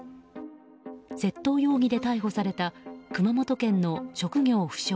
窃盗容疑で逮捕された熊本県の職業不詳